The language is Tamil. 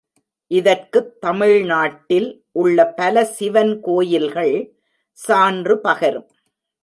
இதற்குத் தமிழ் நாட்டில் உள்ள பல சிவன் கோயில்கள் சான்று பகரும்.